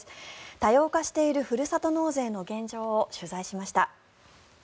多様化しているふるさと納税の現状を取材しました。